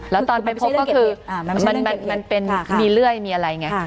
แล้วตอนไปพบก็คือมันเป็นมีเลื่อยมีอะไรไง